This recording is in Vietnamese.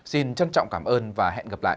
xin trân trọng cảm ơn và hẹn gặp lại